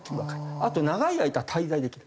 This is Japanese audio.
あと長い間滞在できる。